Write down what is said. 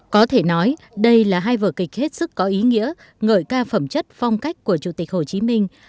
có thể nói đây là hai vở kịch hết sức có ý nghĩa ngợi ca phẩm chất phong cách của chủ tịch hồ chí minh